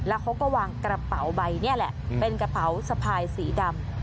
แล้วเขาก็วางกระเป๋าใบนี่แหละเป็นกระเป๋าสะพายสีดำ